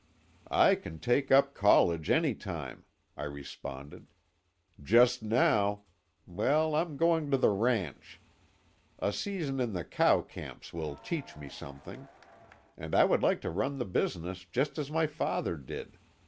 "I can take up college any time," I responded. "Just now—well, I'm going to the ranch. A season in the cow camps will teach me something; and I would like to run the business just as my father did.